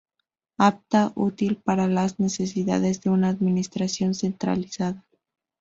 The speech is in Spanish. Apta y útil para las necesidades de una administración centralizada.